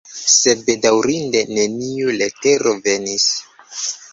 Sed, bedaŭrindege, neniu letero venis!